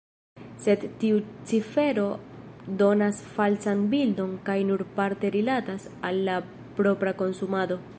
Sed tiu cifero donas falsan bildon kaj nur parte rilatas al la propra konsumado.